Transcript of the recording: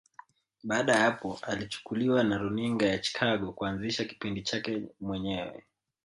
Baada ya hapo alichukuliwa na Runinga ya Chicago kuanzisha kipindi chake mwenyewe